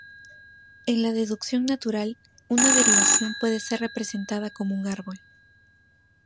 En la deducción natural, una derivación puede ser representada como un árbol.